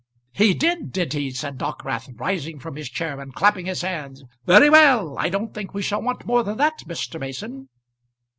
"He did, did he?" said Dockwrath, rising from his chair and clapping his hands. "Very well. I don't think we shall want more than that, Mr. Mason."